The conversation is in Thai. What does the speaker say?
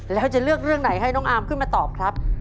แล้วจะเลือกเรื่องไหนให้น้องอามขึ้นมาตอบครับ